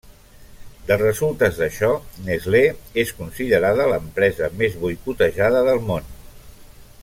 De resultes d'això Nestlé és considerada l'empresa més boicotejada del món.